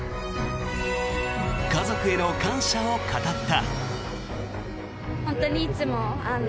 家族への感謝を語った。